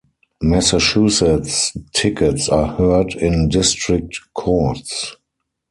Massachusetts tickets are heard in District Courts.